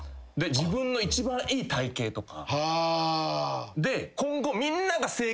自分の一番いい体形とか。